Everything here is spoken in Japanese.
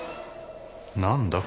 何だ？